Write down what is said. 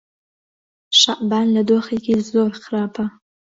شەعبان لە دۆخێکی زۆر خراپە.